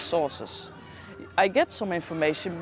saya dapat beberapa informasi